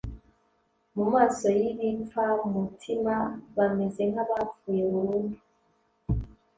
mu maso y'ibipfamutima bameze nk'abapfuye burundu